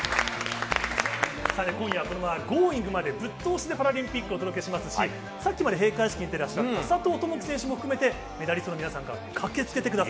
今夜『Ｇｏｉｎｇ！』までぶっ通しでパラリンピックをお届けしますし、先ほどまで閉会式に出ていた佐藤友祈選手を含めメダリストの皆さんが駆けつけてくれます。